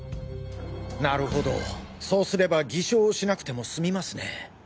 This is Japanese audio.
なるほどそうすれば偽証をしなくてもすみますね。